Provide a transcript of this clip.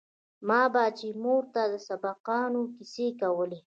ما به چې مور ته د سبقانو کيسې کولې.